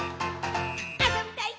「あそびたい！